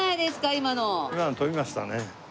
今の飛びましたね。